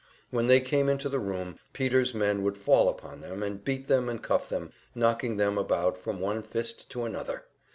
When they came into the room, Peter's men would fall upon them and beat them and cuff them, knocking them about from one fist to another.